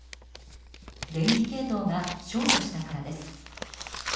電気系統がショートしたからです。